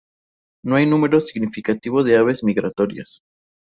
No hay un número significativo de aves migratorias.